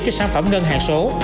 cho sản phẩm ngân hàng số